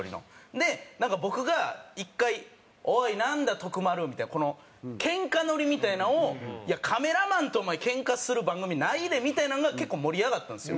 でなんか僕が１回「おいなんだ？徳丸」みたいなこのケンカノリみたいなんを「カメラマンとお前ケンカする番組ないで」みたいなんが結構盛り上がったんですよ。